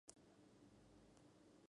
Es un pez de mar y, de clima templado.